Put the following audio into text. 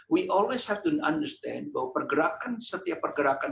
we always have to understand bahwa pergerakan setiap pergerakan